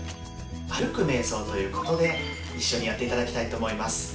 歩くめい想ということで一緒にやって頂きたいと思います。